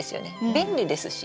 便利ですし。